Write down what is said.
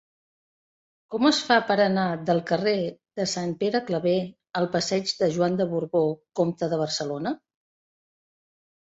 Com es fa per anar del carrer de Sant Pere Claver al passeig de Joan de Borbó Comte de Barcelona?